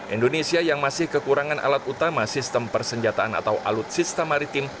indonesia yang masih kekurangan alat utama sistem persenjataan atau alutsista maritim